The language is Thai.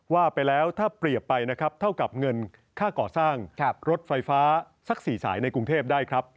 ว่าไปแล้วถ้าเปรียบไปนะครับเท่ากับเงินค่าก่อสร้างรถไฟฟ้าสัก๔สายในกรุงเทพได้ครับ